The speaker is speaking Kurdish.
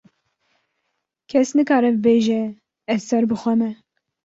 kes nikare bibêje ez ser bi xwe me.